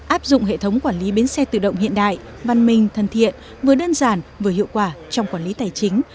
áp dụng hệ thống quản lý bến xe tự động hiện đại văn minh thân thiện vừa đơn giản vừa hiệu quả trong quản lý tài chính